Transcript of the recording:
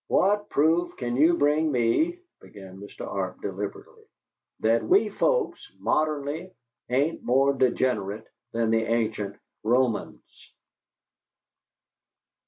"What proof can you bring me," began Mr. Arp, deliberately, "that we folks, modernly, ain't more degenerate than the ancient Romans?"